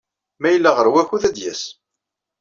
Ma yella ɣer wakud, ad d-yas.